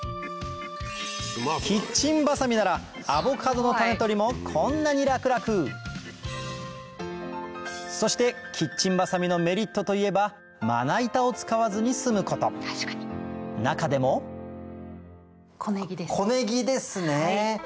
キッチンバサミならアボカドの種取りもこんなに楽々そしてキッチンバサミのメリットといえばまな板を使わずに済むこと中でも小ネギですね。